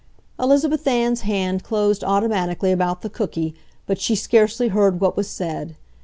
Elizabeth Ann's hand closed automatically about the cookie, but she scarcely heard what was said.